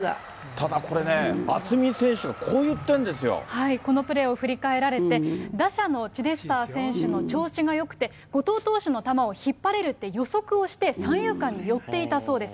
だからもう本当に必死だったんでただこれね、渥美選手がこうこのプレーを振り返られて、打者のチデスター選手の調子がよくて、後藤投手の球を引っ張られると予測をして、三遊間に寄っていたそうです。